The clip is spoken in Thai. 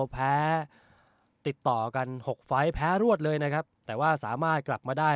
แพ้ติดต่อกัน๖ไฟล์แพ้รวดเลยนะครับแต่ว่าสามารถกลับมาได้